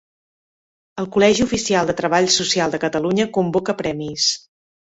El Col·legi Oficial de Treball Social de Catalunya convoca premis.